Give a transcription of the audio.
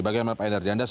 bagaimana pak endardi